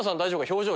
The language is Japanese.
表情